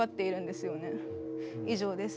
以上です。